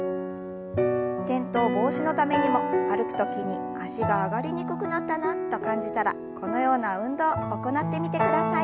転倒防止のためにも歩く時に脚が上がりにくくなったなと感じたらこのような運動行ってみてください。